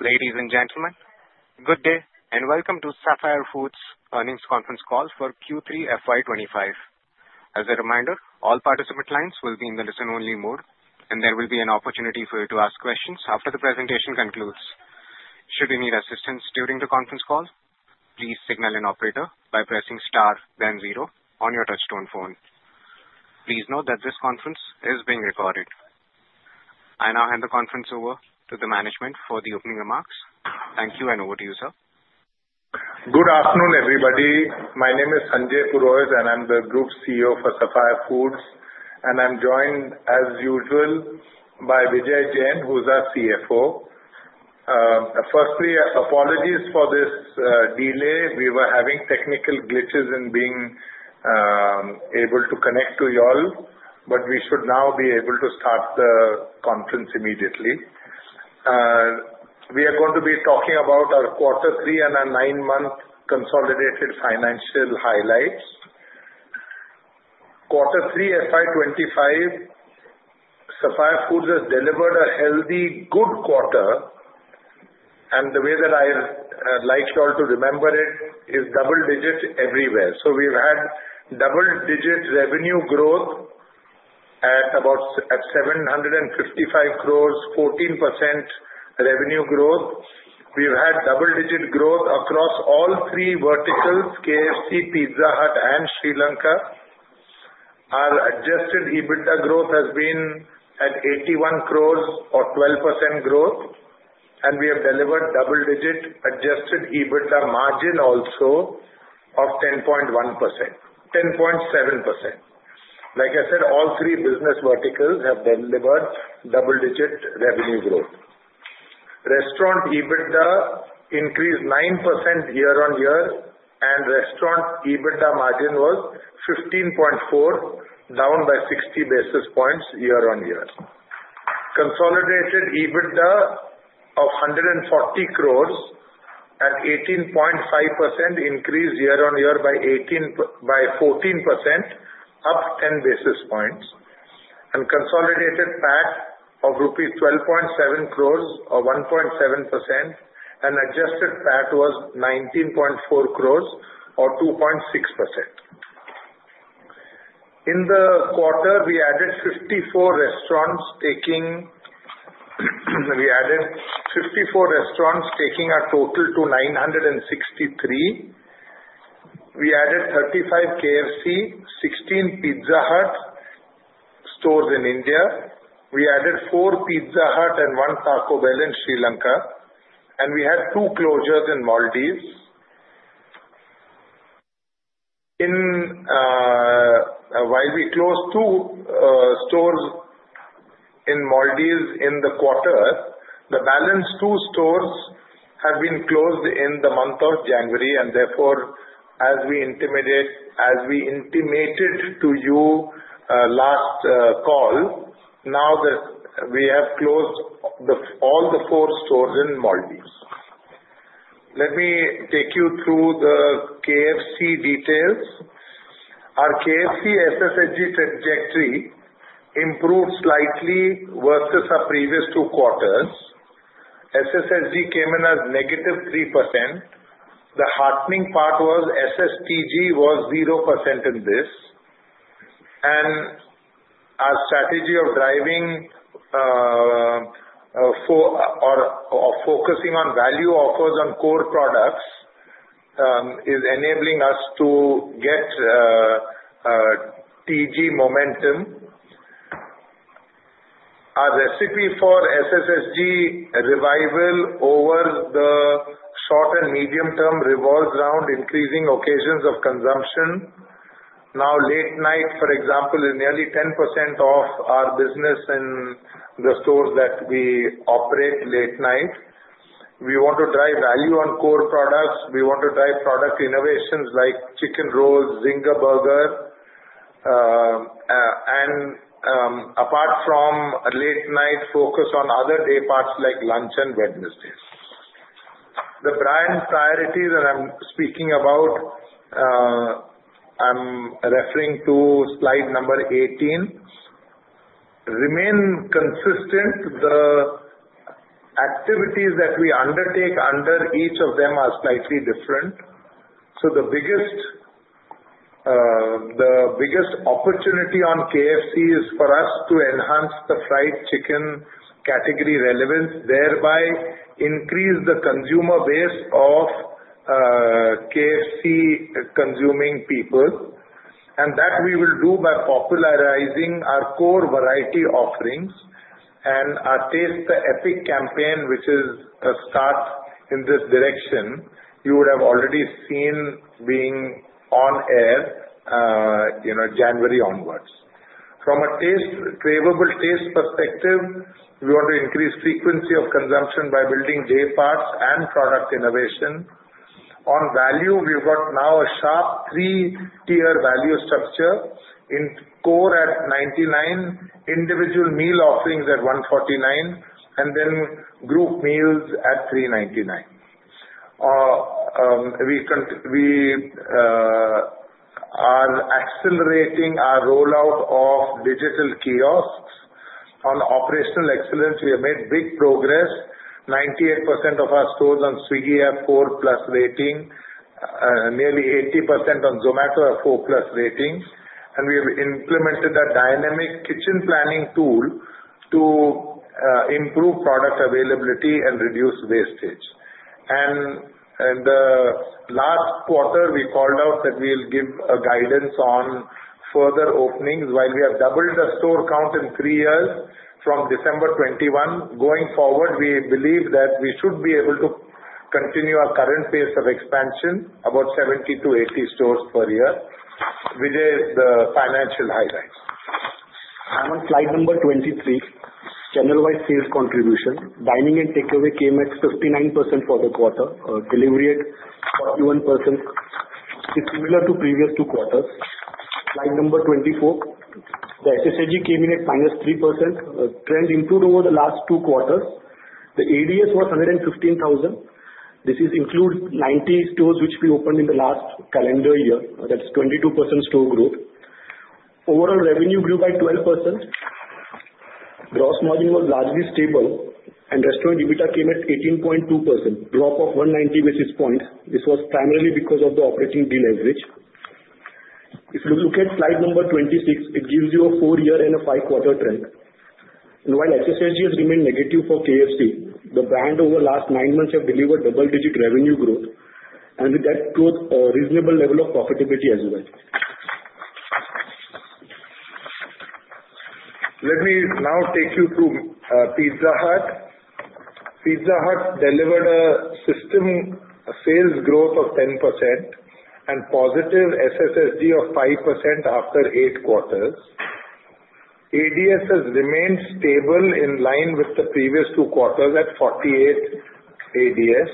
Ladies and gentlemen, good day and welcome to Sapphire Foods' Earnings Conference Call for Q3 FY25. As a reminder, all participant lines will be in the listen-only mode, and there will be an opportunity for you to ask questions after the presentation concludes. Should you need assistance during the conference call, please signal an operator by pressing star, then zero, on your touch-tone phone. Please note that this conference is being recorded. I now hand the conference over to the management for the opening remarks. Thank you, and over to you, sir. Good afternoon, everybody. My name is Sanjay Purohit, and I'm the Group CEO for Sapphire Foods. I'm joined, as usual, by Vijay Jain, who's our CFO. Firstly, apologies for this delay. We were having technical glitches in being able to connect to you all, but we should now be able to start the conference immediately. We are going to be talking about our Quarter Three and our nine-month consolidated financial highlights. Quarter Three FY25, Sapphire Foods has delivered a healthy, good quarter. The way that I'd like you all to remember it is double-digit everywhere. We've had double-digit revenue growth at 755 crores, 14% revenue growth. We've had double-digit growth across all three verticals: KFC, Pizza Hut, and Sri Lanka. Our adjusted EBITDA growth has been at 81 crores, or 12% growth. We have delivered double-digit adjusted EBITDA margin also of 10.7%. Like I said, all three business verticals have delivered double-digit revenue growth. Restaurant EBITDA increased 9% year-on-year, and restaurant EBITDA margin was 15.4%, down by 60 basis points year-on-year. Consolidated EBITDA of 140 crores at 18.5% increased year-on-year by 14%, up 10 basis points. And consolidated PAT of rupees 12.7 crores, or 1.7%, and adjusted PAT was 19.4 crores, or 2.6%. In the quarter, we added 54 restaurants taking our total to 963. We added 35 KFC, 16 Pizza Hut stores in India. We added four Pizza Hut and one Taco Bell in Sri Lanka. And we had two closures in Maldives. While we closed two stores in Maldives in the quarter, the balance two stores have been closed in the month of January. And therefore, as we intimated to you last call, now that we have closed all the four stores in Maldives. Let me take you through the KFC details. Our KFC SSSG trajectory improved slightly versus our previous two quarters. SSSG came in at negative 3%. The heartening part was SSTG was 0% in this. And our strategy of driving or focusing on value offers on core products is enabling us to get TG momentum. Our recipe for SSSG revival over the short and medium-term revolves around increasing occasions of consumption. Now, late night, for example, is nearly 10% of our business in the stores that we operate late night. We want to drive value on core products. We want to drive product innovations like chicken rolls, Zinger Burger. And apart from late night, focus on other day parts like lunch and Wednesdays. The brand priorities that I'm speaking about, I'm referring to slide number 18, remain consistent. The activities that we undertake under each of them are slightly different. The biggest opportunity on KFC is for us to enhance the fried chicken category relevance, thereby increase the consumer base of KFC consuming people. And that we will do by popularizing our core variety offerings and our Taste the Epic campaign, which is a start in this direction. You would have already seen being on air January onwards. From a flavorable taste perspective, we want to increase frequency of consumption by building day parts and product innovation. On value, we've got now a sharp three-tier value structure in core at 99, individual meal offerings at 149, and then group meals at 399. We are accelerating our rollout of digital kiosks. On operational excellence, we have made big progress. 98% of our stores on Swiggy have 4-plus rating, nearly 80% on Zomato have 4-plus rating. We have implemented a dynamic kitchen planning tool to improve product availability and reduce wastage. The last quarter, we called out that we'll give guidance on further openings. While we have doubled the store count in three years from December 2021, going forward, we believe that we should be able to continue our current pace of expansion, about 70-80 stores per year, which is the financial highlights. I'm on slide number 23, channel-wide sales contribution. Dining and takeaway came at 59% for the quarter, delivery at 41%. It's similar to previous two quarters. Slide number 24, the SSSG came in at minus 3%. Trend improved over the last two quarters. The ADS was 115,000. This includes 90 stores which we opened in the last calendar year. That's 22% store growth. Overall revenue grew by 12%. Gross margin was largely stable, and restaurant EBITDA came at 18.2%, drop of 190 basis points. This was primarily because of the operating deleverage. If you look at slide number 26, it gives you a four-year and a five-quarter trend. And while SSSG has remained negative for KFC, the brand over the last nine months has delivered double-digit revenue growth, and with that growth, a reasonable level of profitability as well. Let me now take you through Pizza Hut. Pizza Hut delivered a system sales growth of 10% and positive SSSG of 5% after eight quarters. ADS has remained stable in line with the previous two quarters at 48 ADS,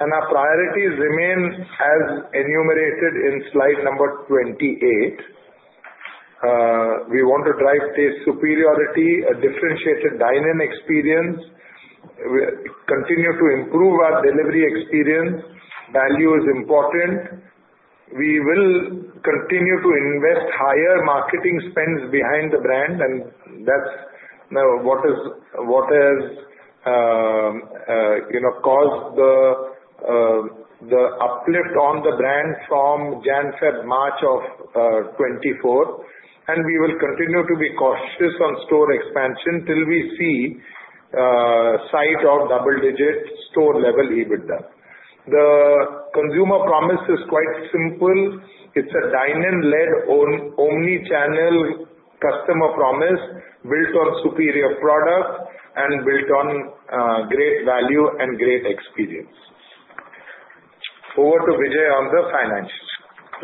and our priorities remain as enumerated in slide number 28. We want to drive taste superiority, a differentiated dine-in experience, continue to improve our delivery experience. Value is important. We will continue to invest higher marketing spends behind the brand, and that's what has caused the uplift on the brand from January-February-March of 2024, and we will continue to be cautious on store expansion till we see sign of double-digit store-level EBITDA. The consumer promise is quite simple. It's a dine-in-led, omnichannel customer promise built on superior product and built on great value and great experience. Over to Vijay on the financials.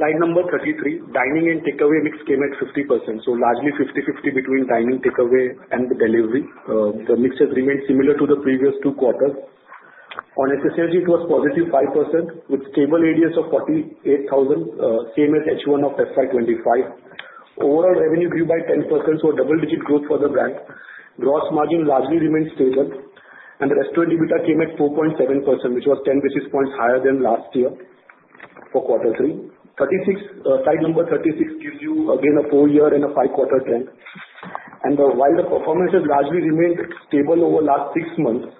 Slide number 33, dining and takeaway mix came at 50%. So largely 50-50 between dining, takeaway, and the delivery. The mix has remained similar to the previous two quarters. On SSSG, it was positive 5% with stable ADS of 48,000, same as H1 of FY25. Overall revenue grew by 10%, so double-digit growth for the brand. Gross margin largely remained stable, and the restaurant EBITDA came at 4.7%, which was 10 basis points higher than last year for quarter three. Slide number 36 gives you, again, a four-year and a five-quarter trend, and while the performance has largely remained stable over the last six months,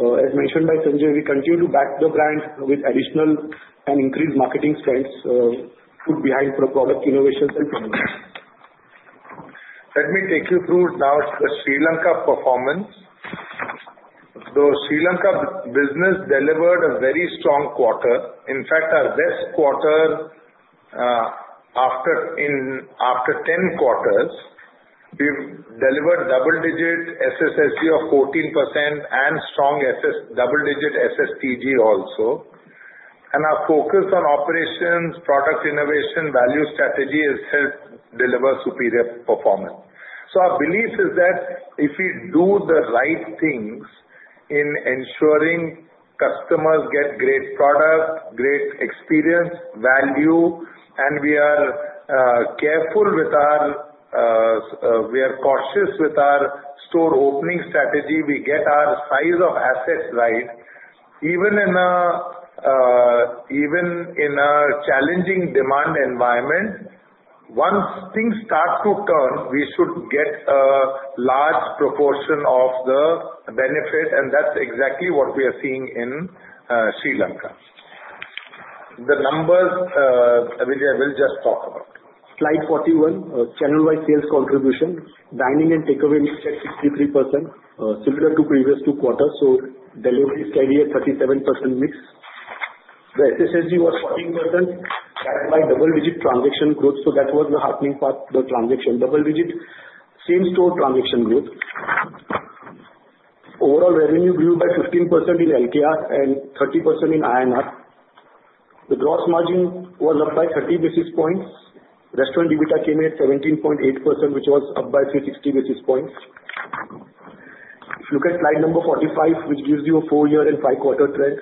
as mentioned by Sanjay, we continue to back the brand with additional and increased marketing spends put behind for product innovations and promotions. Let me take you through now the Sri Lanka performance. The Sri Lanka business delivered a very strong quarter. In fact, our best quarter after 10 quarters, we've delivered double-digit SSSG of 14% and strong double-digit SSTG also. Our focus on operations, product innovation, value strategy has helped deliver superior performance. Our belief is that if we do the right things in ensuring customers get great product, great experience, value, and we are careful with our—we are cautious with our store opening strategy, we get our size of assets right, even in a challenging demand environment, once things start to turn, we should get a large proportion of the benefit. That's exactly what we are seeing in Sri Lanka. The numbers, Vijay, will just talk about. Slide 41, channel-wide sales contribution. Dining and takeaway mix at 63%, similar to previous two quarters. Delivery steady at 37% mix. The SSSG was 14%, backed by double-digit transaction growth. That was the heartening part, the transaction double-digit, same-store transaction growth. Overall revenue grew by 15% in LKR and 30% in INR. The gross margin was up by 30 basis points. Restaurant EBITDA came in at 17.8%, which was up by 360 basis points. If you look at slide number 45, which gives you a four-year and five-quarter trend,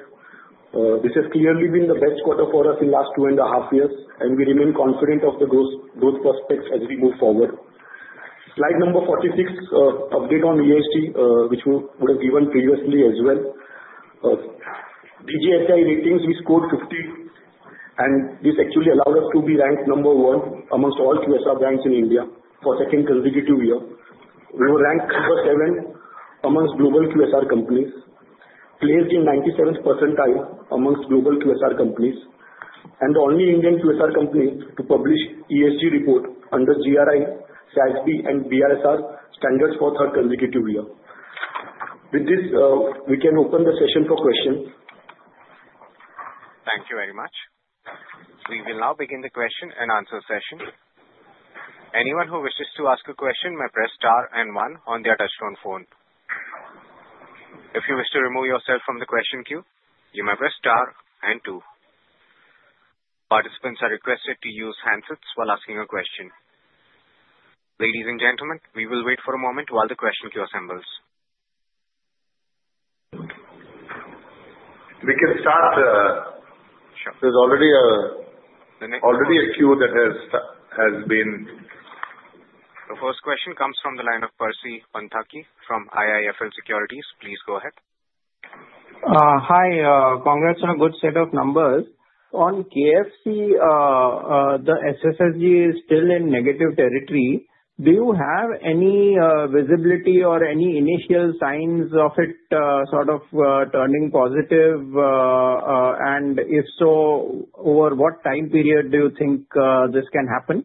this has clearly been the best quarter for us in the last two and a half years. We remain confident of the growth prospects as we move forward. Slide number 46, update on ESG, which we would have given previously as well. DJSI ratings, we scored 50. This actually allowed us to be ranked number one amongst all QSR brands in India for second consecutive year. We were ranked number seven amongst global QSR companies, placed in 97th percentile amongst global QSR companies. The only Indian QSR company to publish ESG report under GRI, SASB, and BRSR standards for third consecutive year. With this, we can open the session for questions. Thank you very much. We will now begin the question and answer session. Anyone who wishes to ask a question may press star and one on their touchscreen phone. If you wish to remove yourself from the question queue, you may press star and two. Participants are requested to use handsets while asking a question. Ladies and gentlemen, we will wait for a moment while the question queue assembles. We can start. There's already a queue that has been. The first question comes from the line of Percy Panthaki from IIFL Securities. Please go ahead. Hi. Congrats on a good set of numbers. On KFC, the SSSG is still in negative territory. Do you have any visibility or any initial signs of it sort of turning positive? And if so, over what time period do you think this can happen?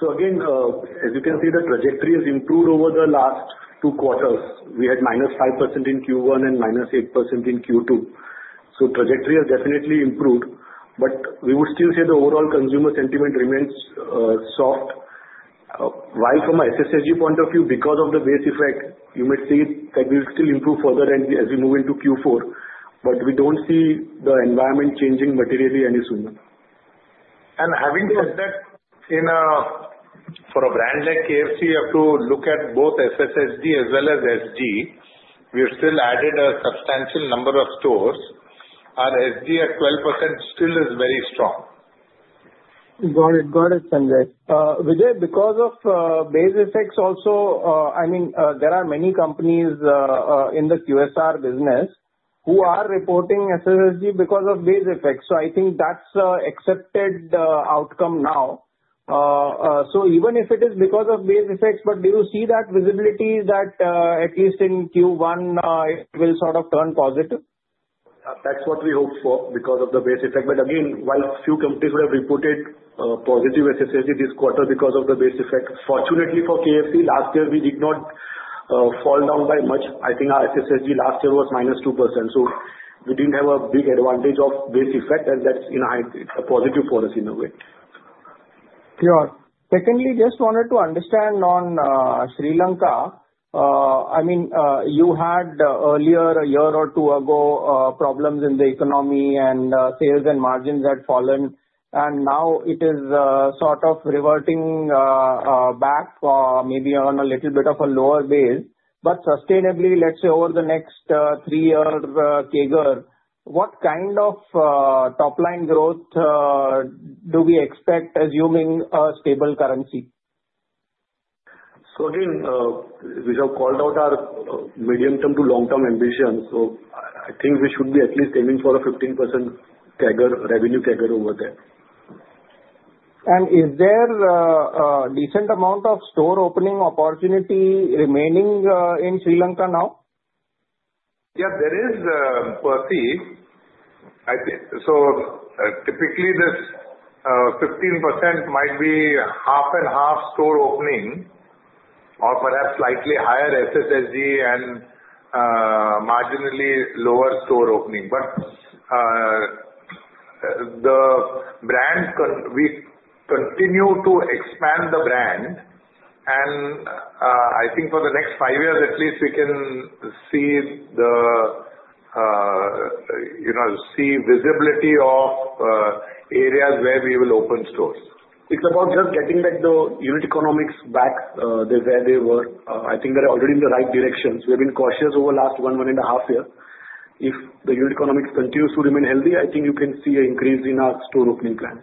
So again, as you can see, the trajectory has improved over the last two quarters. We had minus 5% in Q1 and minus 8% in Q2. So trajectory has definitely improved. But we would still say the overall consumer sentiment remains soft. While from an SSSG point of view, because of the base effect, you may see that we will still improve further as we move into Q4. But we don't see the environment changing materially any sooner. And having said that, for a brand like KFC, you have to look at both SSSG as well as SG. We have still added a substantial number of stores. Our SG at 12% still is very strong. Got it. Got it, Sanjay. Vijay, because of base effects also, I mean, there are many companies in the QSR business who are reporting SSSG because of base effects. So I think that's an accepted outcome now. So even if it is because of base effects, but do you see that visibility that at least in Q1 it will sort of turn positive? That's what we hope for because of the base effect. But again, while few companies would have reported positive SSSG this quarter because of the base effect, fortunately for KFC, last year we did not fall down by much. I think our SSSG last year was -2%. So we didn't have a big advantage of base effect, and that's a positive for us in a way. Sure. Secondly, just wanted to understand on Sri Lanka. I mean, you had earlier, a year or two ago, problems in the economy, and sales and margins had fallen. And now it is sort of reverting back maybe on a little bit of a lower base. But sustainably, let's say over the next three years, CAGR, what kind of top-line growth do we expect, assuming a stable currency? So again, we have called out our medium-term to long-term ambitions. So I think we should be at least aiming for a 15% revenue CAGR over there. Is there a decent amount of store opening opportunity remaining in Sri Lanka now? Yeah, there is Percy. Typically, this 15% might be half and half store opening or perhaps slightly higher SSSG and marginally lower store opening. But we continue to expand the brand. I think for the next five years, at least, we can see the visibility of areas where we will open stores. It's about just getting back the unit economics back where they were. I think they're already in the right direction. So we've been cautious over the last one and a half years. If the unit economics continues to remain healthy, I think you can see an increase in our store opening plans.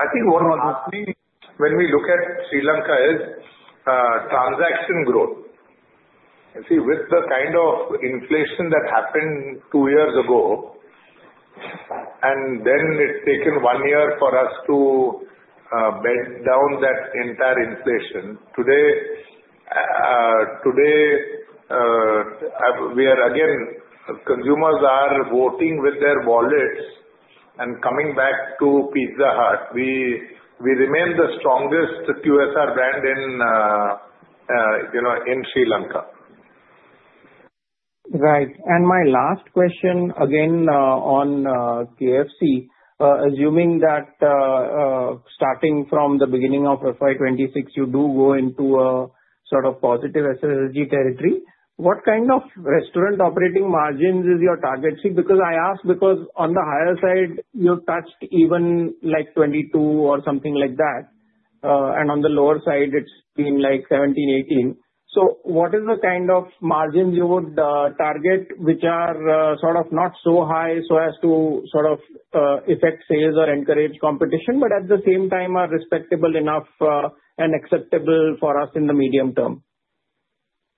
I think one of the things when we look at Sri Lanka is transaction growth. You see, with the kind of inflation that happened two years ago, and then it's taken one year for us to bend down that entire inflation. Today, we are again, consumers are voting with their wallets and coming back to Pizza Hut. We remain the strongest QSR brand in Sri Lanka. Right. And my last question, again, on KFC, assuming that starting from the beginning of FY26, you do go into a sort of positive SSSG territory, what kind of restaurant operating margins is your target? See, because I ask because on the higher side, you touched even like 22% or something like that. And on the lower side, it's been like 17%-18%. So what is the kind of margins you would target which are sort of not so high so as to sort of affect sales or encourage competition, but at the same time are respectable enough and acceptable for us in the medium term?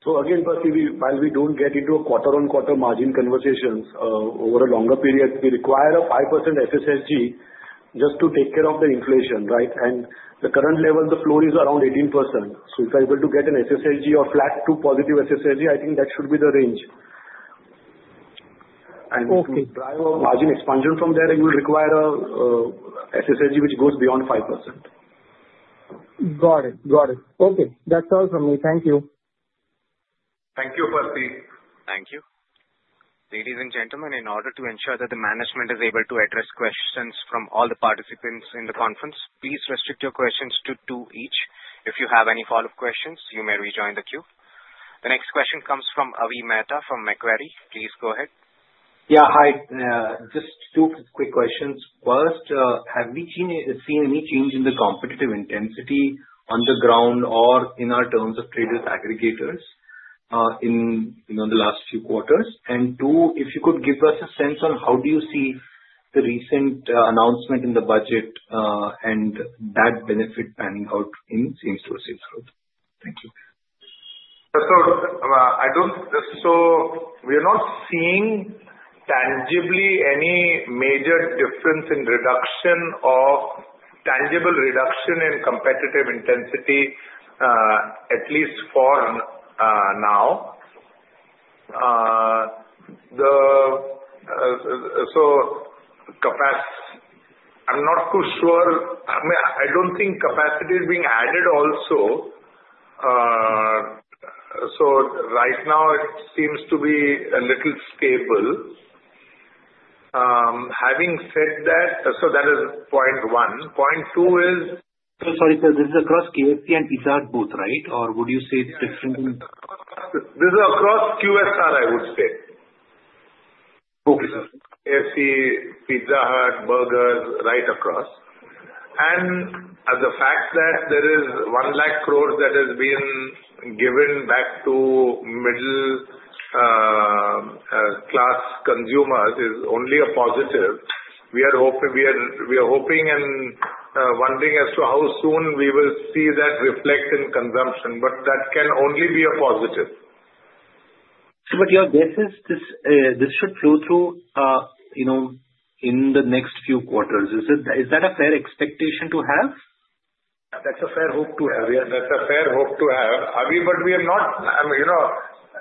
So again, Percy, while we don't get into quarter-on-quarter margin conversations over a longer period, we require a 5% SSSG just to take care of the inflation, right? And the current level, the floor is around 18%. So if we're able to get an SSSG or flat to positive SSSG, I think that should be the range. And to drive our margin expansion from there, we will require an SSSG which goes beyond 5%. Got it. Got it. Okay. That's all from me. Thank you. Thank you, Percy. Thank you. Ladies and gentlemen, in order to ensure that the management is able to address questions from all the participants in the conference, please restrict your questions to two each. If you have any follow-up questions, you may rejoin the queue. The next question comes from Avi Mehta from Macquarie. Please go ahead. Yeah. Hi. Just two quick questions. First, have we seen any change in the competitive intensity on the ground or in terms of third-party aggregators in the last few quarters? And two, if you could give us a sense on how you see the recent announcement in the budget and that benefit panning out in same-store sales growth? Thank you. So we are not seeing tangibly any major difference in reduction of tangible reduction in competitive intensity, at least for now. So I'm not too sure. I mean, I don't think capacity is being added also. So right now, it seems to be a little stable. Having said that, so that is point one. Point two is. Sorry, sir, this is across KFC and Pizza Hut both, right? Or would you say it's different? This is across QSR, I would say. Okay, sir. KFC, Pizza Hut, burgers, right across. And the fact that there is one lakh crores that has been given back to middle-class consumers is only a positive. We are hoping and wondering as to how soon we will see that reflect in consumption. But that can only be a positive. But your guess is this should flow through in the next few quarters. Is that a fair expectation to have? That's a fair hope to have. Yeah, that's a fair hope to have. But we have not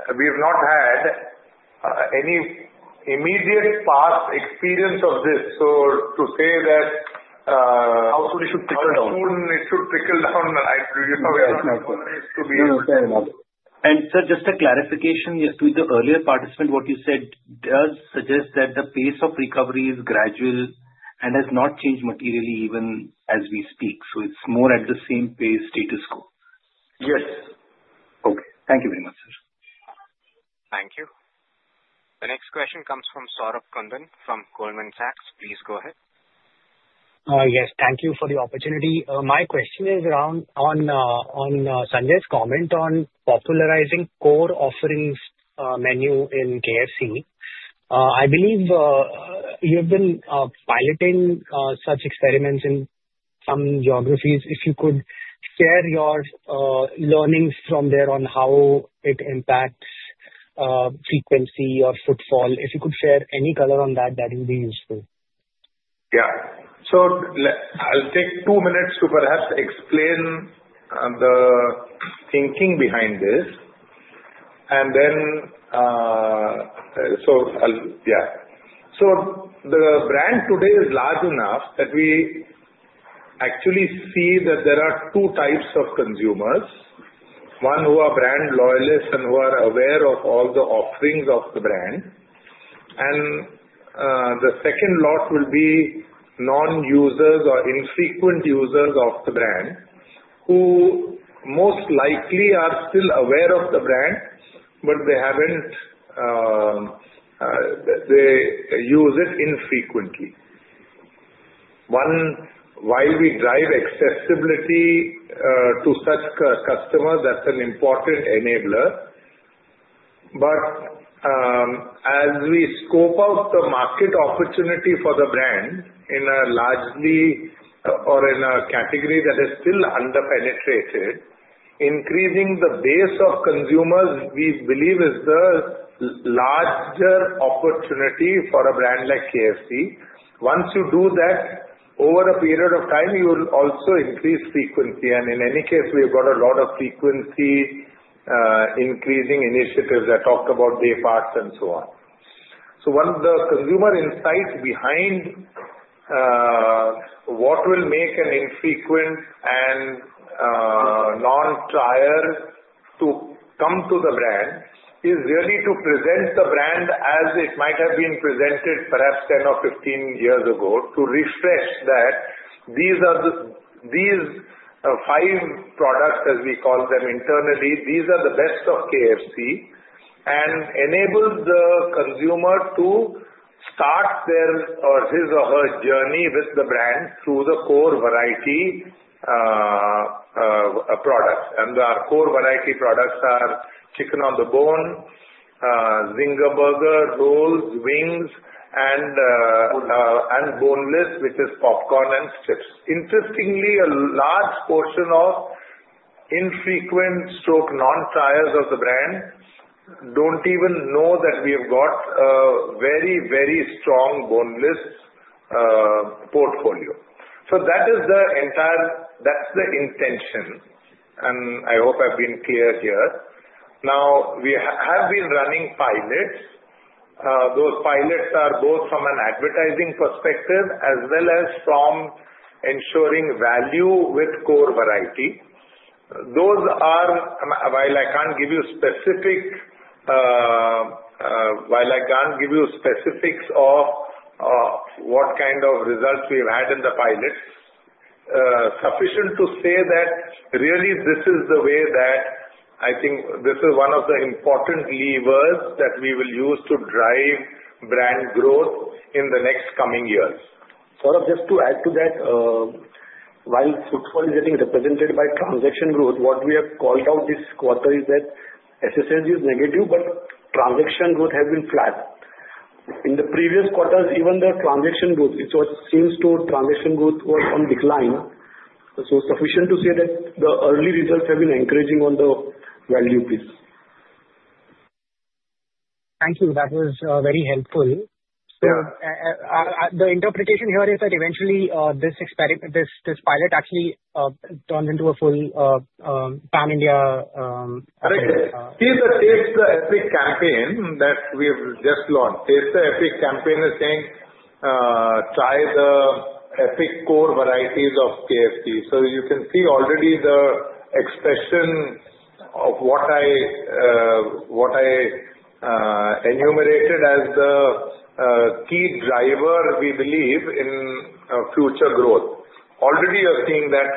had any immediate past experience of this. So to say that. How soon it should trickle down? How soon it should trickle down? It should be a fair hope. Sir, just a clarification to the earlier participant. What you said does suggest that the pace of recovery is gradual and has not changed materially even as we speak. It's more at the same pace status quo. Yes. Okay. Thank you very much, sir. Thank you. The next question comes from Saurabh Kundan from Goldman Sachs. Please go ahead. Yes. Thank you for the opportunity. My question is around on Sanjay's comment on popularizing core offerings menu in KFC. I believe you have been piloting such experiments in some geographies. If you could share your learnings from there on how it impacts frequency or footfall, if you could share any color on that, that would be useful. Yeah. So I'll take two minutes to perhaps explain the thinking behind this. And then, yeah. So the brand today is large enough that we actually see that there are two types of consumers: one who are brand loyalists and who are aware of all the offerings of the brand. And the second lot will be non-users or infrequent users of the brand who most likely are still aware of the brand, but they use it infrequently. While we drive accessibility to such customers, that's an important enabler. But as we scope out the market opportunity for the brand in a largely or in a category that is still under-penetrated, increasing the base of consumers we believe is the larger opportunity for a brand like KFC. Once you do that, over a period of time, you will also increase frequency. In any case, we have got a lot of frequency-increasing initiatives that talked about day parts and so on. One of the consumer insights behind what will make an infrequent and non-trier to come to the brand is really to present the brand as it might have been presented perhaps 10 or 15 years ago to refresh that these five products, as we call them internally, these are the best of KFC and enable the consumer to start his or her journey with the brand through the core variety products. Our core variety products are chicken on the bone, Zinger Burger, rolls, wings, and boneless, which is Popcorn and chips. Interestingly, a large portion of infrequent-slash non-triers of the brand don't even know that we have got a very, very strong boneless portfolio. That is the entire that's the intention. I hope I've been clear here. Now, we have been running pilots. Those pilots are both from an advertising perspective as well as from ensuring value with core variety. Those are, while I can't give you specifics of what kind of results we have had in the pilots, sufficient to say that really this is the way that I think this is one of the important levers that we will use to drive brand growth in the next coming years. Saurabh, just to add to that, while footfall is getting represented by transaction growth, what we have called out this quarter is that SSSG is negative, but transaction growth has been flat. In the previous quarters, even the transaction growth, it seems to transaction growth was on decline. So sufficient to say that the early results have been encouraging on the value piece. Thank you. That was very helpful. So the interpretation here is that eventually this pilot actually turns into a full Pan-India. See, the Taste the Epic campaign that we've just launched, Taste the Epic campaign is saying, "Try the epic core varieties of KFC." So you can see already the expression of what I enumerated as the key driver we believe in future growth. Already you're seeing that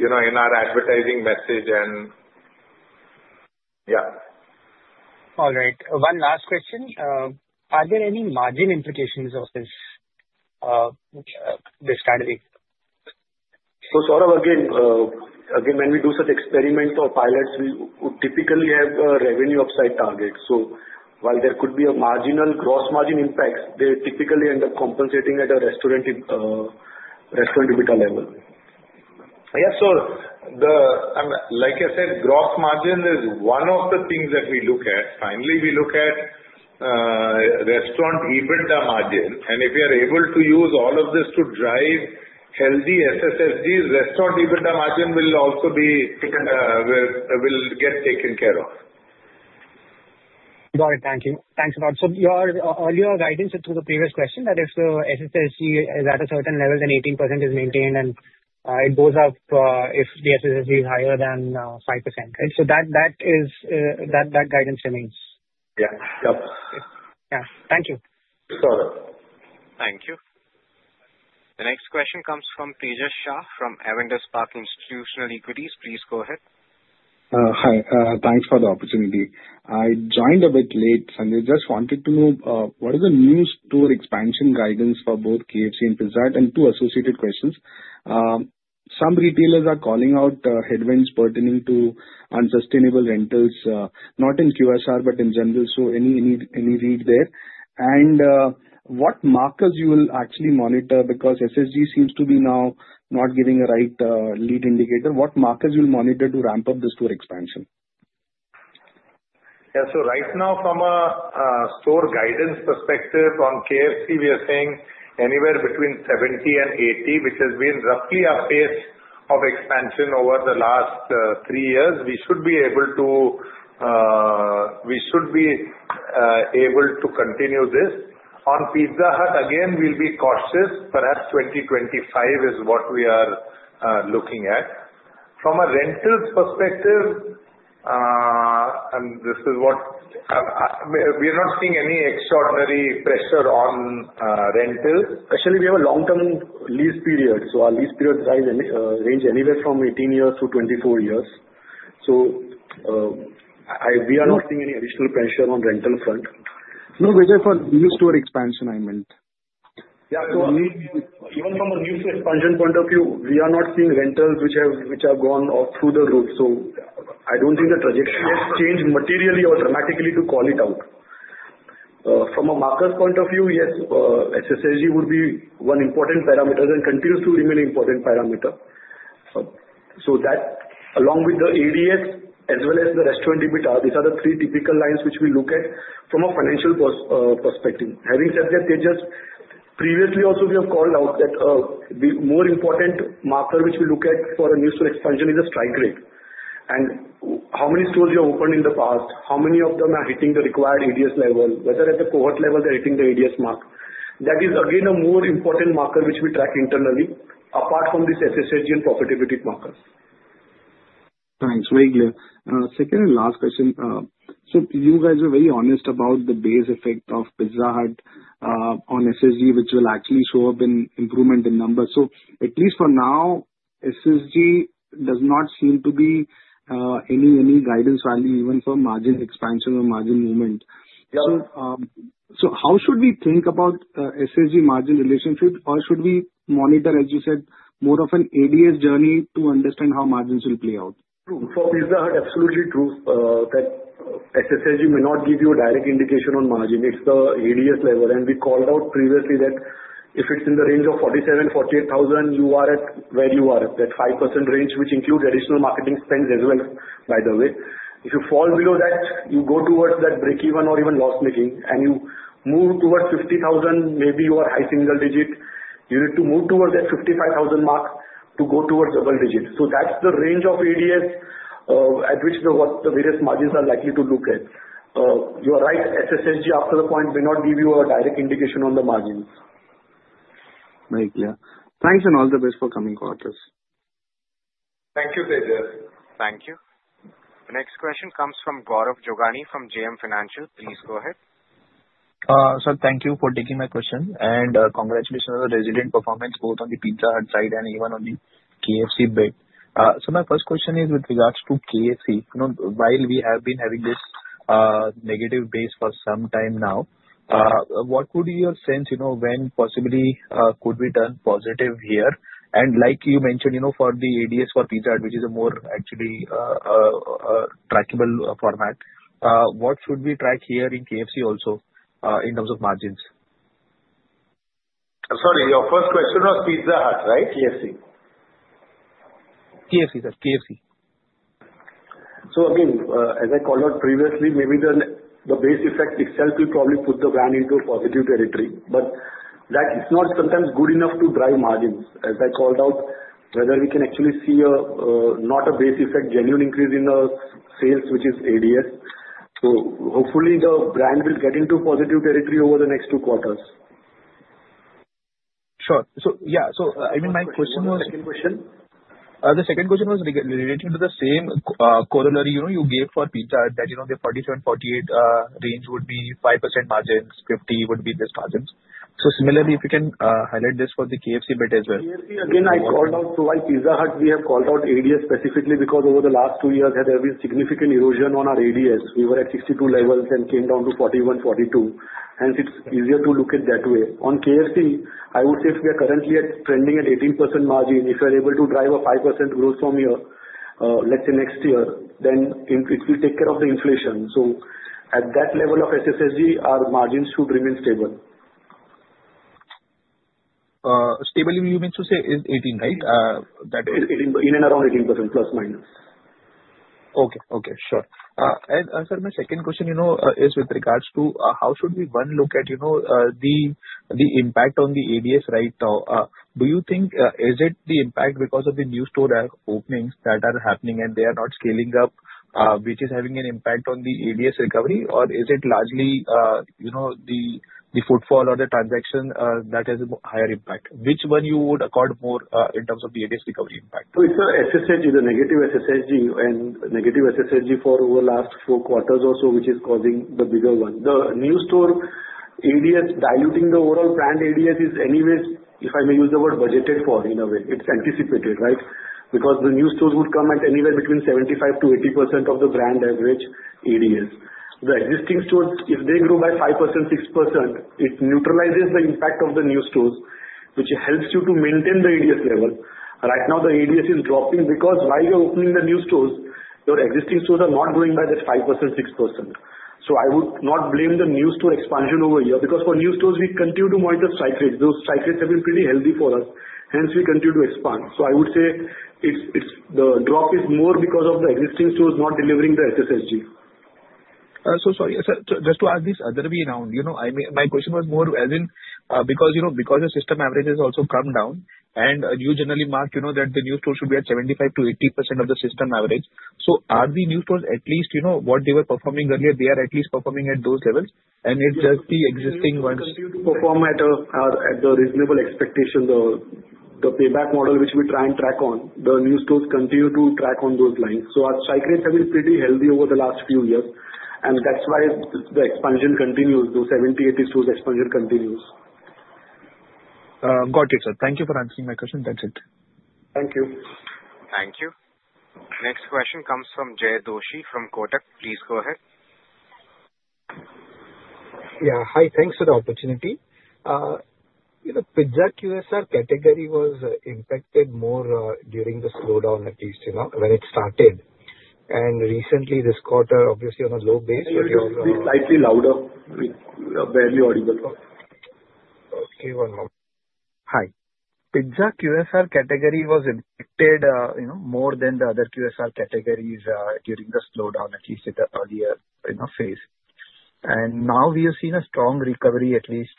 in our advertising message and yeah. All right. One last question. Are there any margin implications of this strategy? So Saurabh, again, when we do such experiments or pilots, we would typically have a revenue upside target. So while there could be a marginal gross margin impact, they typically end up compensating at a restaurant EBITDA level. Yeah. So like I said, gross margin is one of the things that we look at. Finally, we look at restaurant EBITDA margin. And if we are able to use all of this to drive healthy SSSGs, restaurant EBITDA margin will also get taken care of. Got it. Thank you. Thanks a lot. So your earlier guidance through the previous question that if the SSSG is at a certain level, then 18% is maintained and it goes up if the SSSG is higher than 5%, right? So that guidance remains. Yeah. Yep. Yeah. Thank you. Sure. Thank you. The next question comes from Priya Shah from Avendus Spark Institutional Equities. Please go ahead. Hi. Thanks for the opportunity. I joined a bit late, Sanjay. Just wanted to know what is the new store expansion guidance for both KFC and Pizza Hut and two associated questions. Some retailers are calling out headwinds pertaining to unsustainable rentals, not in QSR, but in general. So any read there? And what markers you will actually monitor because SSG seems to be now not giving a right lead indicator? What markers you will monitor to ramp up the store expansion? Yeah. So right now, from a store guidance perspective on KFC, we are saying anywhere between 70 and 80, which has been roughly our pace of expansion over the last three years. We should be able to continue this. On Pizza Hut, again, we'll be cautious. Perhaps 2025 is what we are looking at. From a rentals perspective, and this is what we are not seeing any extraordinary pressure on rentals. Actually, we have a long-term lease period. So our lease period ranges anywhere from 18 years to 24 years. So we are not seeing any additional pressure on rental front. No, Vijay, for new store expansion, I meant. Yeah. So even from a new store expansion point of view, we are not seeing rentals which have gone through the roof. So I don't think the trajectory has changed materially or dramatically to call it out. From a metrics point of view, yes, SSSG would be one important parameter and continues to remain an important parameter. So that along with the ADS as well as the restaurant EBITDA, these are the three typical lines which we look at from a financial perspective. Having said that, Vijay, previously also we have called out that the more important metric which we look at for a new store expansion is the strike rate, and how many stores you have opened in the past, how many of them are hitting the required ADS level, whether at the cohort level they're hitting the ADS mark. That is, again, a more important marker which we track internally apart from this SSSG and profitability markers. Thanks. Very clear. Second and last question. So you guys are very honest about the base effect of Pizza Hut on SSSG, which will actually show up in improvement in numbers. So at least for now, SSSG does not seem to be any guidance value even for margin expansion or margin movement. So how should we think about SSG margin relationship, or should we monitor, as you said, more of an ADS journey to understand how margins will play out? For Pizza Hut, absolutely true that SSSG may not give you a direct indication on margin. It's the ADS level. And we called out previously that if it's in the range of 47,000-48,000, you are at where you are, that 5% range, which includes additional marketing spends as well, by the way. If you fall below that, you go towards that break-even or even loss-making. And you move towards 50,000, maybe you are high single digit. You need to move towards that 55,000 mark to go towards double digit. So that's the range of ADS at which the various margins are likely to look at. You are right. SSSG, after the point, may not give you a direct indication on the margins. Very clear. Thanks and all the best for coming quarters. Thank you, Vijay. Thank you. The next question comes from Gaurav Jogani from JM Financial. Please go ahead. Sir, thank you for taking my question. And congratulations on the resilient performance both on the Pizza Hut side and even on the KFC side. So my first question is with regards to KFC. While we have been having this negative base for some time now, what would be your sense when possibly could we turn positive here? And like you mentioned, for the ADS for Pizza Hut, which is a more actually trackable format, what should we track here in KFC also in terms of margins? Sorry, your first question was Pizza Hut, right? KFC. KFC, sir. KFC. So again, as I called out previously, maybe the base effect itself will probably put the brand into a positive territory. But that is not sometimes good enough to drive margins. As I called out, whether we can actually see not a base effect, genuine increase in the sales, which is ADS. So hopefully the brand will get into positive territory over the next two quarters. Sure. So yeah. So I mean, my question was. The second question. The second question was related to the same corollary you gave for Pizza Hut that the 47-48 range would be 5% margins, 50 would be this margins. So similarly, if you can highlight this for the KFC bit as well. Again, I called out, while Pizza Hut, we have called out ADS specifically because over the last two years, there has been significant erosion on our ADS. We were at 62 levels and came down to 41, 42. Hence, it's easier to look at that way. On KFC, I would say if we are currently trending at 18% margin, if you are able to drive a 5% growth from here, let's say next year, then it will take care of the inflation. So at that level of SSSG, our margins should remain stable. Stable, you mean to say is 18, right? In and around 18% plus minus. Okay. Okay. Sure. And sir, my second question is with regards to how should we look at the impact on the ADS, right? Do you think is it the impact because of the new store openings that are happening and they are not scaling up, which is having an impact on the ADS recovery, or is it largely the footfall or the transaction that has a higher impact? Which one you would accord more in terms of the ADS recovery impact? It's SSSG, the negative SSSG, and negative SSSG for over the last four quarters or so, which is causing the bigger one. The new store ADS, diluting the overall brand ADS is anyways, if I may use the word, budgeted for in a way. It's anticipated, right? Because the new stores would come at anywhere between 75%-80% of the brand average ADS. The existing stores, if they grow by 5%, 6%, it neutralizes the impact of the new stores, which helps you to maintain the ADS level. Right now, the ADS is dropping because while you're opening the new stores, your existing stores are not growing by that 5%, 6%. I would not blame the new store expansion over here because for new stores, we continue to monitor strike rates. Those strike rates have been pretty healthy for us. Hence, we continue to expand. So I would say the drop is more because of the existing stores not delivering the SSSG. Sorry, sir, just to ask this other way around. My question was more as in because the system average has also come down, and you generally mark that the new stores should be at 75%-80% of the system average. So are the new stores at least what they were performing earlier? They are at least performing at those levels? And it's just the existing ones. Perform at the reasonable expectation. The payback model, which we try and track on, the new stores continue to track on those lines. So our strike rates have been pretty healthy over the last few years. And that's why the expansion continues. The 70-80 stores expansion continues. Got it, sir. Thank you for answering my question. That's it. Thank you. Thank you. Next question comes from Jay Doshi from Kotak. Please go ahead. Yeah. Hi. Thanks for the opportunity. Pizza QSR category was impacted more during the slowdown, at least when it started. And recently, this quarter, obviously on a low base. It's slightly louder. Barely audible. Okay. One moment. Hi. Pizza QSR category was impacted more than the other QSR categories during the slowdown, at least at the earlier phase. And now we have seen a strong recovery, at least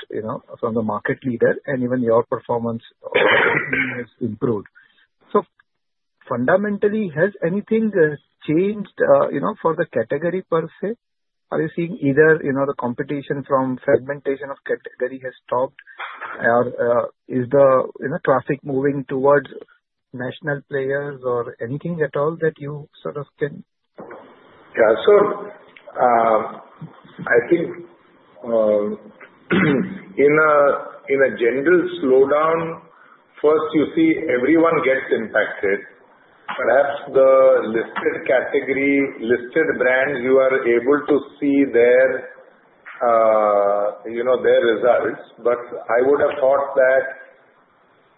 from the market leader, and even your performance has improved. So fundamentally, has anything changed for the category per se? Are you seeing either the competition from fragmentation of category has stopped, or is the traffic moving towards national players or anything at all that you sort of can? Yeah. So I think in a general slowdown, first, you see everyone gets impacted. Perhaps the listed category, listed brands, you are able to see their results. But I would have thought that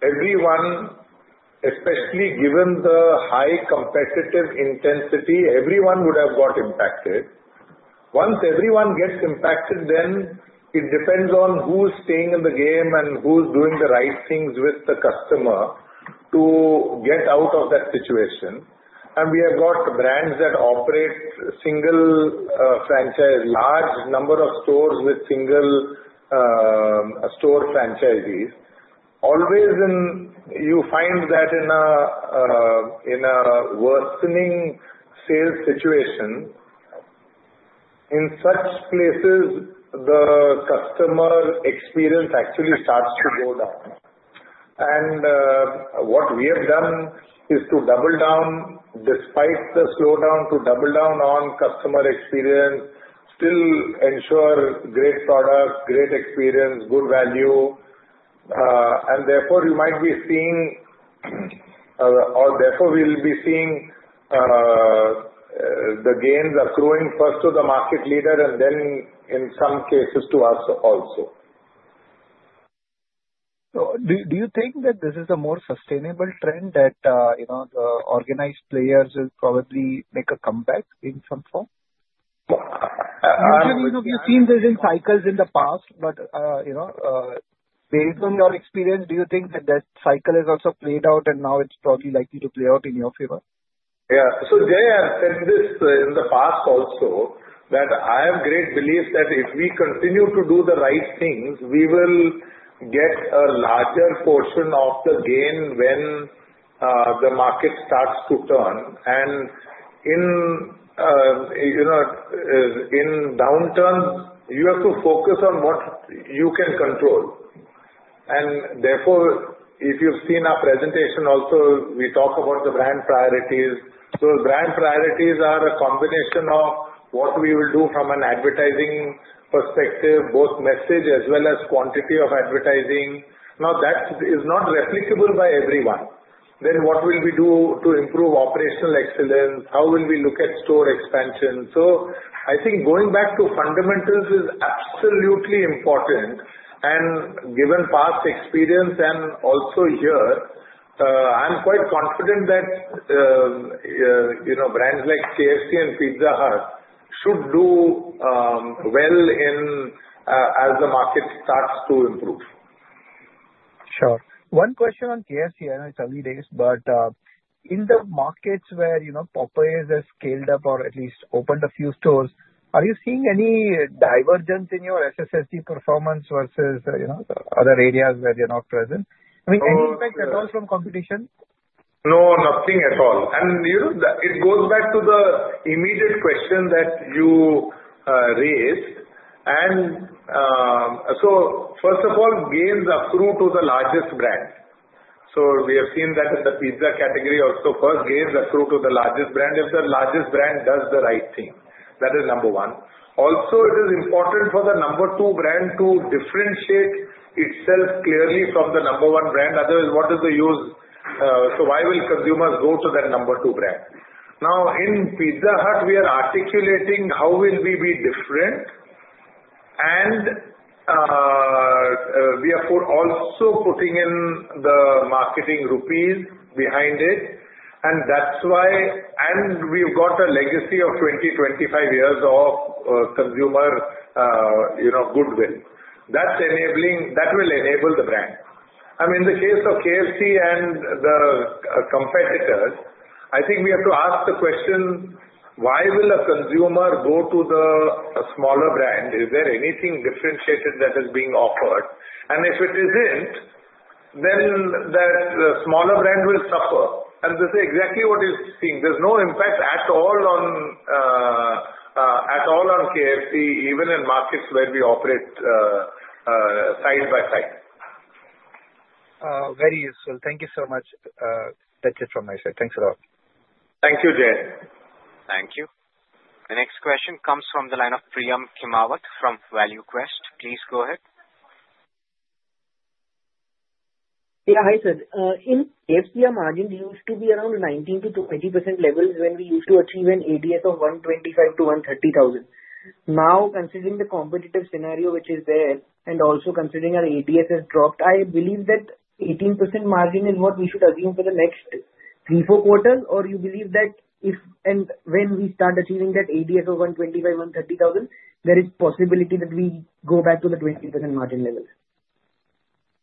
everyone, especially given the high competitive intensity, everyone would have got impacted. Once everyone gets impacted, then it depends on who's staying in the game and who's doing the right things with the customer to get out of that situation. And we have got brands that operate single franchise, large number of stores with single store franchisees. Always you find that in a worsening sales situation, in such places, the customer experience actually starts to go down. And what we have done is to double down, despite the slowdown, to double down on customer experience, still ensure great product, great experience, good value. Therefore, we'll be seeing the gains accruing first to the market leader and then, in some cases, to us also. So do you think that this is a more sustainable trend that the organized players will probably make a comeback in some form? Actually, we have seen this in cycles in the past, but based on your experience, do you think that that cycle has also played out, and now it's probably likely to play out in your favor? Yeah, so there has been this in the past also that I have great belief that if we continue to do the right things, we will get a larger portion of the gain when the market starts to turn, and in downturns, you have to focus on what you can control, and therefore, if you've seen our presentation also, we talk about the brand priorities. Those brand priorities are a combination of what we will do from an advertising perspective, both message as well as quantity of advertising. Now, that is not replicable by everyone, then what will we do to improve operational excellence? How will we look at store expansion? So I think going back to fundamentals is absolutely important. And given past experience and also here, I'm quite confident that brands like KFC and Pizza Hut should do well as the market starts to improve. Sure. One question on KFC, I know it's early days, but in the markets where Popeyes has scaled up or at least opened a few stores, are you seeing any divergence in your SSSG performance versus other areas where they're not present? I mean, any impact at all from competition? No, nothing at all. And it goes back to the immediate question that you raised. And so first of all, gains accrue to the largest brand. So we have seen that in the pizza category also. First, gains accrue to the largest brand if the largest brand does the right thing. That is number one. Also, it is important for the number two brand to differentiate itself clearly from the number one brand. Otherwise, what is the use? So why will consumers go to that number two brand? Now, in Pizza Hut, we are articulating how will we be different. And we are also putting in the marketing rupees behind it. And that's why we've got a legacy of 20-25 years of consumer goodwill. That will enable the brand. I mean, in the case of KFC and the competitors, I think we have to ask the question, why will a consumer go to the smaller brand? Is there anything differentiated that is being offered? And if it isn't, then the smaller brand will suffer. And this is exactly what you've seen. There's no impact at all on KFC, even in markets where we operate side by side. Very useful. Thank you so much. That's it from my side. Thanks a lot. Thank you, Jay. Thank you. The next question comes from the line of Priyam Khimawat from ValueQuest. Please go ahead. Yeah, hi sir. In KFC, our margin used to be around 19%-20% levels when we used to achieve an ADS of 125,000-130,000. Now, considering the competitive scenario which is there and also considering our ADS has dropped, I believe that 18% margin is what we should assume for the next three, four quarters. Or you believe that if and when we start achieving that ADS of 125,000-130,000, there is possibility that we go back to the 20% margin level?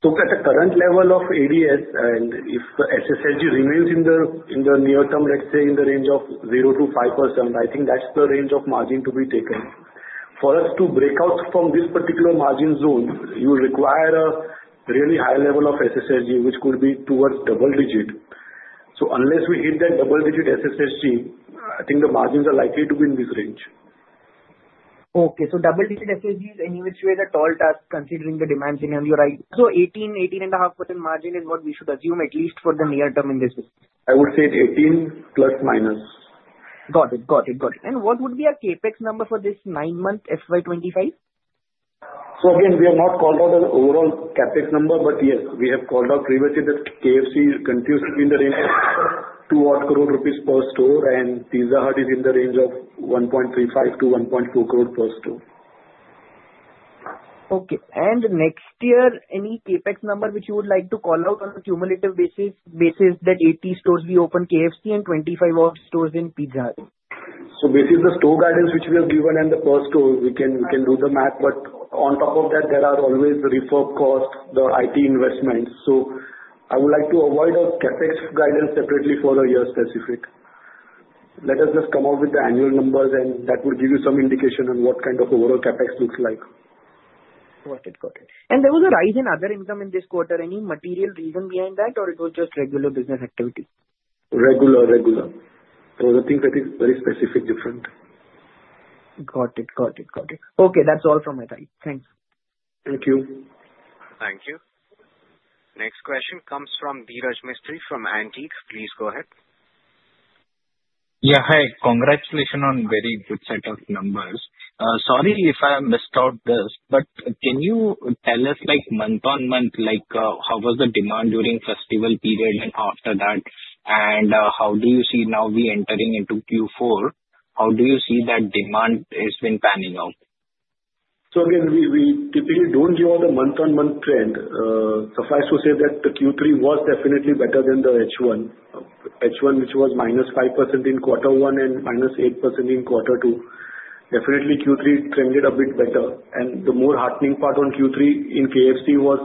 Look at the current level of ADS, and if SSSG remains in the near term, let's say in the range of 0 to 5%, I think that's the range of margin to be taken. For us to break out from this particular margin zone, you require a really high level of SSSG, which could be towards double digit. So unless we hit that double digit SSSG, I think the margins are likely to be in this range. Okay. So double-digit SSSG is any which way a tall task, considering the demand, you're right. So 18-18.5% margin is what we should assume, at least for the near term in this business? I would say 18 plus minus. Got it. Got it. Got it. And what would be our CapEx number for this nine-month FY25? So again, we have not called out an overall CapEx number, but yes, we have called out previously that KFC continues to be in the range of 2 crore rupees per store, and Pizza Hut is in the range of 1.35 crore-1.4 crore per store. Okay. And next year, any CapEx number which you would like to call out on a cumulative basis that 80 stores will be opened in KFC and 25 stores in Pizza Hut? So this is the store guidance which we have given and the per-store. We can do the math, but on top of that, there are always the rental cost, the IT investments. So I would like to avoid a CapEx guidance separately for a year-specific. Let us just come up with the annual numbers, and that will give you some indication on what kind of overall CapEx looks like. Got it. Got it. And there was a rise in other income in this quarter. Any material reason behind that, or it was just regular business activity? Regular, regular. There were things that is very specific, different. Got it. Got it. Got it. Okay. That's all from my side. Thanks. Thank you. Thank you. Next question comes from Dhiraj Mistry from Antique. Please go ahead. Yeah. Hi. Congratulations on very good set of numbers. Sorry if I missed out on this, but can you tell us month on month, how was the demand during festival period and after that? And how do you see now we entering into Q4? How do you see that demand has been panning out? So again, we typically don't give out a month on month trend. Suffice to say that the Q3 was definitely better than the H1, H1 which was minus 5% in quarter one and minus 8% in quarter two. Definitely, Q3 trended a bit better. And the more heartening part on Q3 in KFC was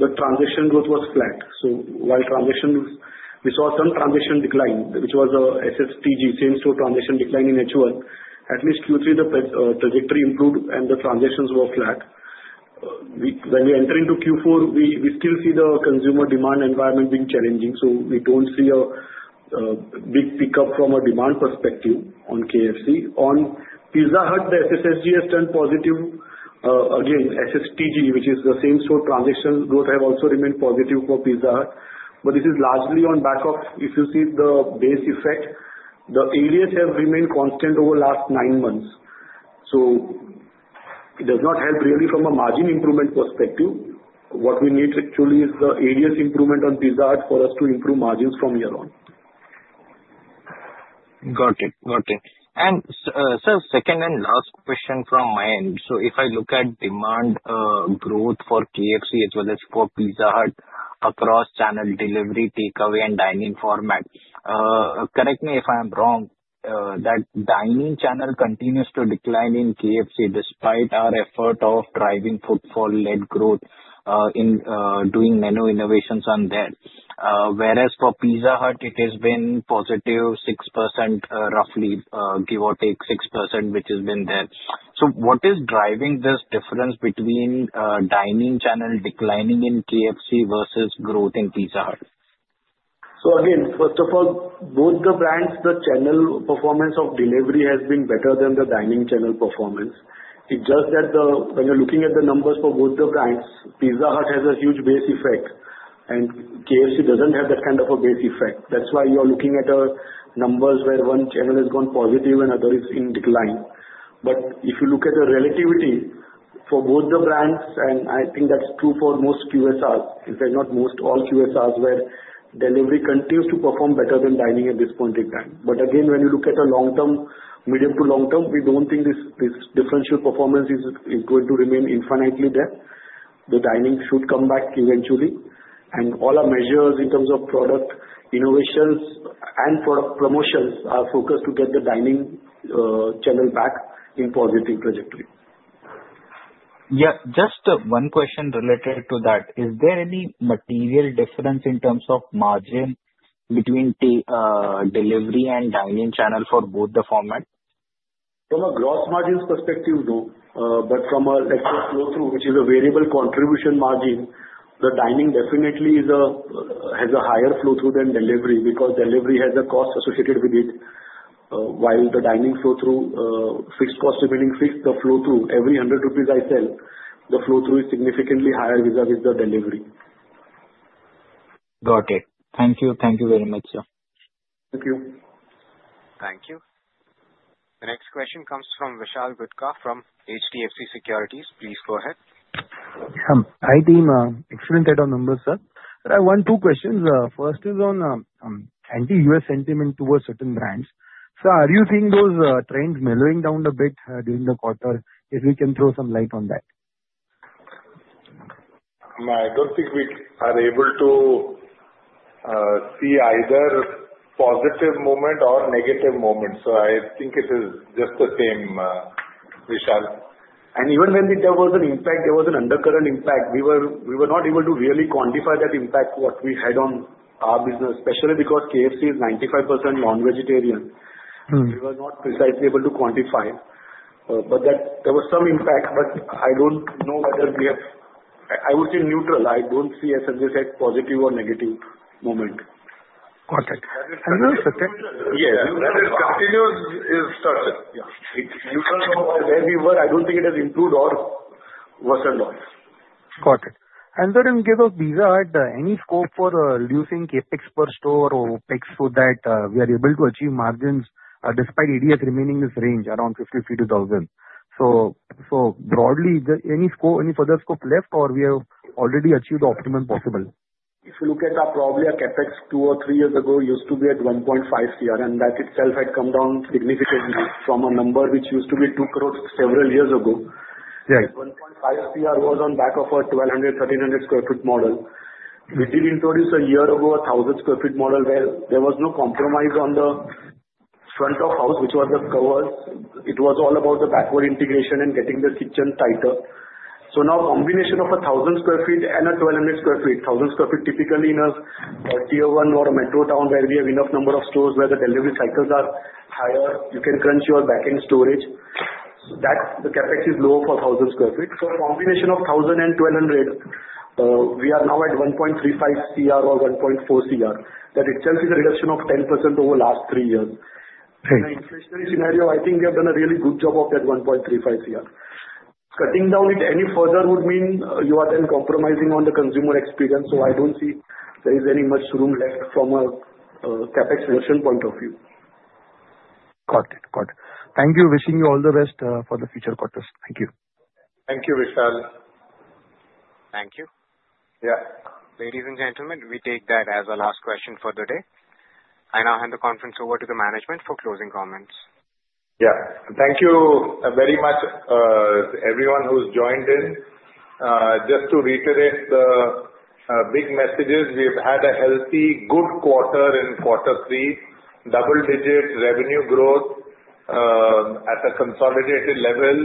the transaction growth was flat. So while transactions, we saw some transaction decline, which was SSTG, same store transaction decline in H1. At least Q3, the trajectory improved and the transactions were flat. When we enter into Q4, we still see the consumer demand environment being challenging. So we don't see a big pickup from a demand perspective on KFC. On Pizza Hut, the SSSG has turned positive. Again, SSTG, which is the same store transaction growth, has also remained positive for Pizza Hut. But this is largely on back of, if you see the base effect, the ADS has remained constant over the last nine months. So it does not help really from a margin improvement perspective. What we need actually is the ADS improvement on Pizza Hut for us to improve margins from here on. Got it. Got it. And sir, second and last question from my end. So if I look at demand growth for KFC as well as for Pizza Hut across channel delivery, takeaway, and dining format, correct me if I'm wrong, that dining channel continues to decline in KFC despite our effort of driving footfall-led growth in doing menu innovations on that. Whereas for Pizza Hut, it has been positive 6%, roughly give or take 6%, which has been there. So what is driving this difference between dining channel declining in KFC versus growth in Pizza Hut? So again, first of all, both the brands, the channel performance of delivery has been better than the dining channel performance. It's just that when you're looking at the numbers for both the brands, Pizza Hut has a huge base effect, and KFC doesn't have that kind of a base effect. That's why you're looking at numbers where one channel has gone positive and other is in decline. But if you look at the relativity for both the brands, and I think that's true for most QSRs, if not most, all QSRs where delivery continues to perform better than dining at this point in time. But again, when you look at the long term, medium to long term, we don't think this differential performance is going to remain infinitely there. The dining should come back eventually. All our measures in terms of product innovations and product promotions are focused to get the dining channel back in positive trajectory. Yeah. Just one question related to that. Is there any material difference in terms of margin between delivery and dining channel for both the format? From a gross margins perspective, no. But from a network flow through, which is a variable contribution margin, the dining definitely has a higher flow through than delivery because delivery has a cost associated with it. While the dining flow through, fixed cost remaining fixed, the flow through, every 100 rupees I sell, the flow through is significantly higher vis-à-vis the delivery. Got it. Thank you. Thank you very much, sir. Thank you. Thank you. The next question comes from Vishal Gutka from HDFC Securities. Please go ahead. Hi, team. Excellent set of numbers, sir. I have one or two questions. First is on anti-U.S. sentiment towards certain brands. Sir, are you seeing those trends mellowing down a bit during the quarter? If we can throw some light on that. I don't think we are able to see either positive moment or negative moment. So I think it is just the same, Vishal. Even when there was an impact, there was an undercurrent impact. We were not able to really quantify that impact what we had on our business, especially because KFC is 95% non-vegetarian. We were not precisely able to quantify. There was some impact, but I don't know whether we have, I would say neutral. I don't see SSSG as positive or negative moment. Got it. That is continuous is started. Neutral from where we were, I don't think it has improved or worsened off. Got it. And sir, in the case of Pizza Hut, any scope for reducing CapEx per store or OpEx so that we are able to achieve margins despite ADS remaining in this range around 50,000-52,000? So broadly, any further scope left or we have already achieved the optimum possible? If you look at our probably our CapEx two or three years ago used to be at 1.5 Cr, that itself had come down significantly from a number which used to be 2 crore several years ago. 1.5 Cr was on back of a 1,200-1,300 sq ft model. We did introduce a year ago a 1,000 sq ft model where there was no compromise on the front of house, which was the covers. It was all about the backward integration and getting the kitchen tighter. So now combination of a 1,000 sq ft and a 1,200 sq ft. 1,000 sq ft typically in a tier one or a metro town where we have enough number of stores where the delivery cycles are higher. You can crunch your backend storage. The CapEx is low for 1,000 sq ft. So, combination of 1,000 and 1,200, we are now at 1.35 crore or 1.4 crore. That itself is a reduction of 10% over the last three years. In the inflationary scenario, I think we have done a really good job of that 1.35 crore. Cutting down it any further would mean you are then compromising on the consumer experience. So I don't see there is any much room left from a CapEx perspective point of view. Got it. Got it. Thank you. Wishing you all the best for the future quarters. Thank you. Thank you, Vishal. Thank you. Yeah. Ladies and gentlemen, we take that as our last question for the day. I now hand the conference over to the management for closing comments. Yeah. Thank you very much to everyone who's joined in. Just to reiterate the big messages, we've had a healthy good quarter in quarter three, double-digit revenue growth at a consolidated level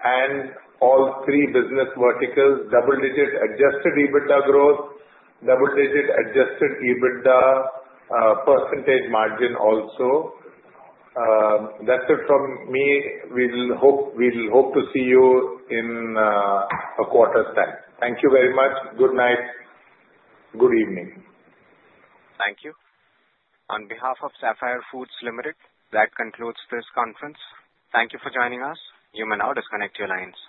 and all three business verticals, double-digit adjusted EBITDA growth, double-digit adjusted EBITDA percentage margin also. That's it from me. We'll hope to see you in a quarter's time. Thank you very much. Good night. Good evening. Thank you. On behalf of Sapphire Foods Limited, that concludes this conference. Thank you for joining us. You may now disconnect your lines.